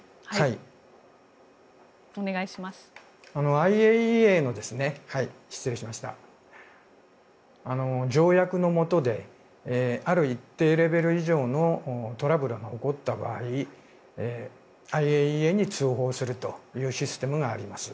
ＩＡＥＡの条約のもとである一定レベル以上のトラブルが起こった場合ＩＡＥＡに通報するというシステムがあります。